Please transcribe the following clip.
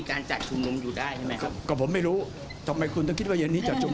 อาจารย์คำกันพระพิจารณ์ดูข้อเก่าค่ะของผู้ชมลงที่ดูเหมือนจะไร้แรง